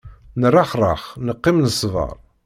Nerrexrex neqqim nesber.